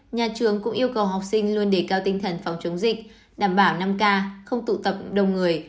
nhà trường cũng yêu cầu học sinh luôn đề cao tinh thần phòng chống dịch đảm bảo năm k không tụ tập đông người